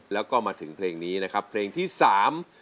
แล้วก็มาถึงเพลงนี้นะครับเพลงที่สาม